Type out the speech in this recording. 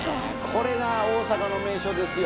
これが大阪の名所ですよ。